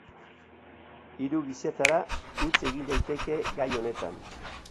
Hiru gisatara huts egin daiteke gai honetan.